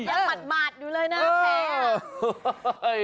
ยังบาดอยู่เลยนะแผ่